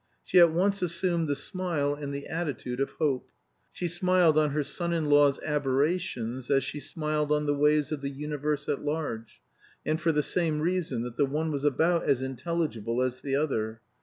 She at once assumed the smile and the attitude of Hope; she smiled on her son in law's aberrations as she smiled on the ways of the universe at large, and for the same reason, that the one was about as intelligible as the other.